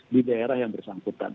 di daerah yang bersangkutan